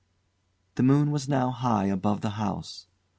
The moon was now high above the house.